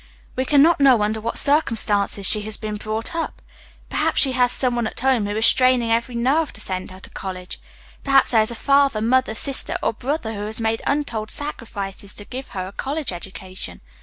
We can not know under what circumstances she has been brought up. Perhaps she has some one at home who is straining every nerve to send her to college. Perhaps there is a father, mother, sister or brother who has made untold sacrifices to give her a college education.